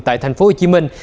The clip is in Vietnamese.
tại thành phố hồ chí minh